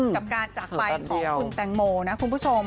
กับการจากไปของคุณแตงโมนะคุณผู้ชม